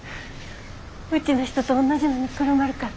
うちの人とおんなじのにくるまるから。